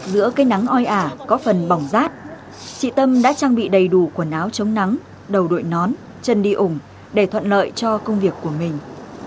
giữa cây nắng oi ả có phần bỏng rát chị tâm đã trang bị đầy đủ quần áo chống nắng đầu đội nón chân đi ủng để thuận lợi cho công việc của mình